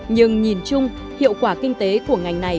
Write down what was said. nhưng nhìn chung hiệu quả kinh tế của ngành này